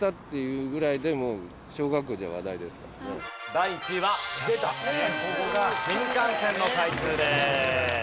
第１位は新幹線の開通です。